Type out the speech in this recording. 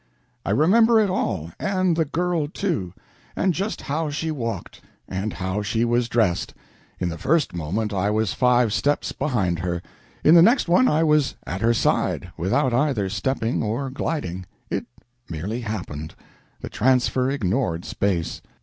I remember it all and the girl, too, and just how she walked, and how she was dressed. In the first moment I was five steps behind her; in the next one I was at her side without either stepping or gliding; it merely happened; the transfer ignored space.